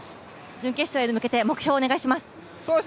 準決勝へ向けて目標をお願いします。